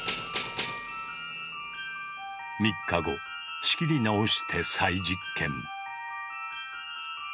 ３日後仕切り直して再実験。